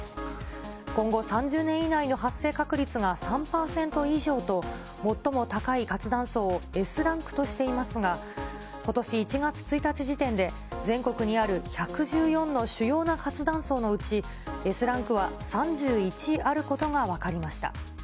今後、３０年以内の発生確率が３％以上と、最も高い活断層をＳランクとしていますが、ことし１月１日時点で、全国にある１１４の主要な活断層のうち、Ｓランクは３１あることが分かりました。